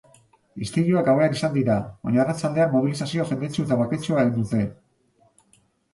Istiluak gauean izan dira, baina arratsaldean mobilizazio jendetsua eta baketsua egin dute.